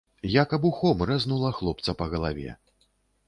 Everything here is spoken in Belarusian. Як абухом рэзнула хлопца па галаве.